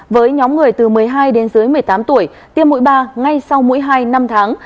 với nhóm người từ một mươi hai đến dưới một mươi tám tuổi tiêm mũi ba ngay sau mũi hai năm tháng